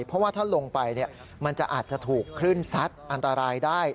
เพราะว่าถ้าลงไปมันจะอาจจะถูกคลื่นซัดอันตรายได้